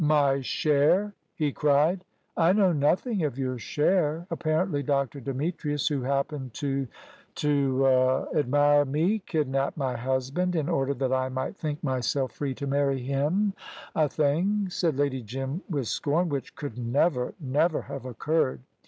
"My share!" he cried. "I know nothing of your share. Apparently, Dr. Demetrius, who happened to to er admire me, kidnapped my husband in order that I might think myself free to marry him, a thing," said Lady Jim, with scorn, "which could never never have occurred.